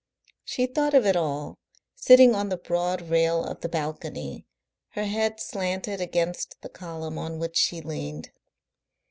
She thought of it all, sitting on the broad rail of the balcony, her head slanted against the column on which she leaned.